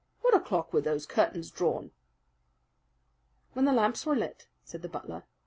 "What o'clock were those curtains drawn?" "When the lamps were lit," said the butler.